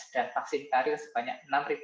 dan vaksin karir sebanyak enam delapan ratus satu